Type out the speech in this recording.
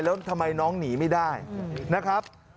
แล้วทำไมน้องหนีไม่ได้นะครับ